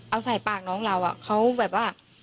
เอาใส่ปากน้องเราเขาแบบว่า